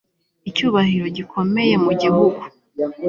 icyubahiro gikomeye mu gihugu